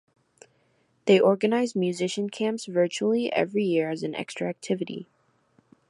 They organize musician camps virtually every year as an extra activity.